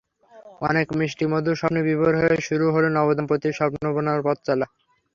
অনেক মিষ্টি মধুর স্বপ্নে বিভোর হয়ে শুরু হলো নবদম্পতির স্বপ্ন বোনার পথচলা।